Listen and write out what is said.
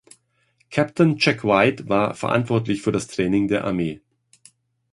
Captain Jack White war verantwortlich für das Training der Armee.